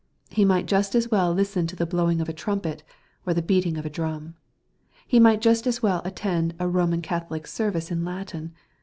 He might just as well listen to the blowing of a trumpet, or the beating of a drum. He might just as well attend a Bomau Catholic service in Latin.